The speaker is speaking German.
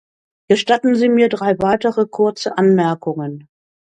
Gestatten Sie mir drei weitere kurze Anmerkungen.